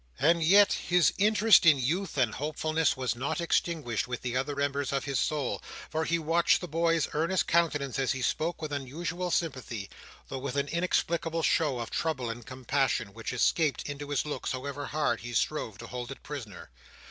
And yet his interest in youth and hopefulness was not extinguished with the other embers of his soul, for he watched the boy's earnest countenance as he spoke with unusual sympathy, though with an inexplicable show of trouble and compassion, which escaped into his looks, however hard he strove to hold it prisoner.